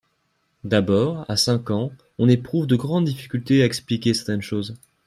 D'abord, a cinq ans, on éprouve de grandes difficultés à expliquer certaines choses.